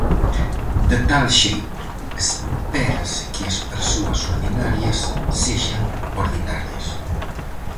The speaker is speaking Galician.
De tal xeito, espérase que as persoas ordinarias sexan ordinarias.